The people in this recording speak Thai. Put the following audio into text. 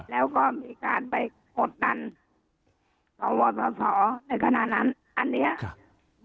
แล้วก็มีการไปกดดันสวสอสอในขณะนั้นอันเนี้ยครับ